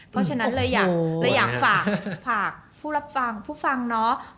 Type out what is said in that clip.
เพราะฉะนั้นเลยอยากฝากผู้รับฟังผู้ฟังเนาะ